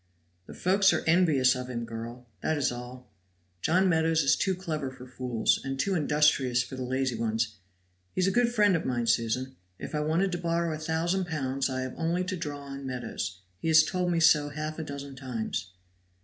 "The folk are envious of him, girl that is all. John Meadows is too clever for fools, and too industrious for the lazy ones; he is a good friend of mine, Susan; if I wanted to borrow a thousand pounds I have only to draw on Meadows; he has told me so half a dozen times."